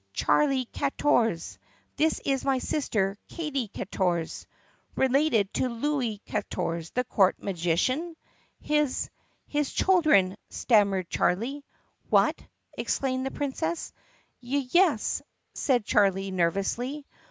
"Charlie Katorze. This is my sister, Katie Katorze." "Related to Louis Katorze, the court magician?" "His — his children," stammered Charlie. "What!" exclaimed the Princess. "Y yes," said Charlie nervously.